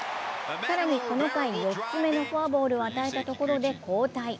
更に、この回４つ目のフォアボールを与えたところで交代。